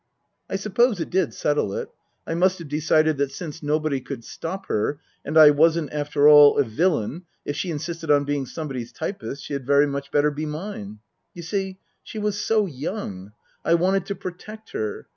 I suppose it did settle it. I must have decided that since nobody could stop her, and I wasn't, after all, a villain, if she insisted on being somebody's typist, she had very much better be mine. You see, she was so young. I wanted to protect her.